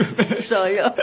そうよ。